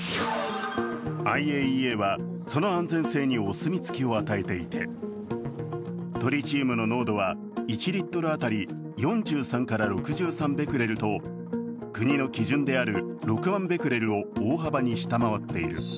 ＩＡＥＡはその安全性にお墨付きを与えていてトリチウムの濃度は１リットル当たり４３から６３ベクレルと国の基準である６万ベクレルを大幅に下回っている。